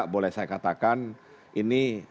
boleh saya katakan ini